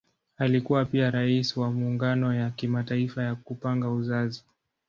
Alikuwa pia Rais wa Muungano ya Kimataifa ya Kupanga Uzazi.